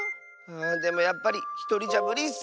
でもやっぱりひとりじゃむりッス！